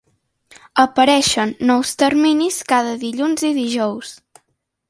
Apareixen nous terminis cada dilluns i dijous.